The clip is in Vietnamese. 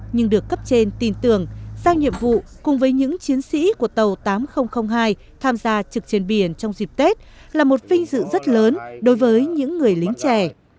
nhưng được cấp trên tin tưởng giao nhiệm vụ cùng với những chiến sĩ của tàu tám nghìn hai tham gia trực trên biển trong dịp tết là một vinh dự rất lớn đối với những người lính trẻ